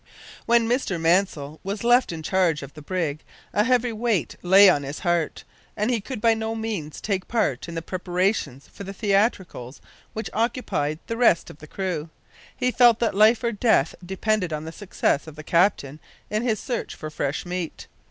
When Mr Mansell was left in charge of the brig a heavy weight lay on his heart, and he could by no means take part in the preparations for the theatricals which occupied the rest of the crew. He felt that life or death depended on the success of the captain in his search for fresh meat.